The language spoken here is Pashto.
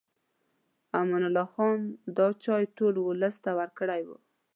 امان الله خان دا چای ټول ولس ته ورکړی و.